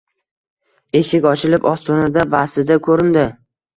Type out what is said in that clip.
Eshik ochilib, ostonada Basida ko‘rindi